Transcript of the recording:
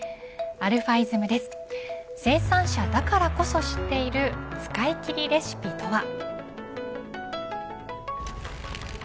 生産者だからこそ知っている使い切りレシピとは。